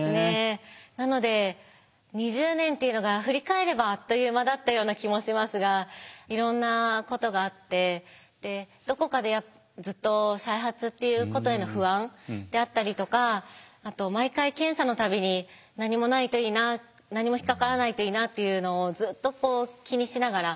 なので２０年っていうのが振り返ればあっという間だったような気もしますがいろんなことがあってでどこかでずっと再発っていうことへの不安であったりとかあと毎回検査の度に何もないといいな何も引っ掛からないといいなっていうのをずっと気にしながら。